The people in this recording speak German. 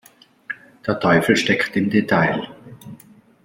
Der Teufel steckt im Detail.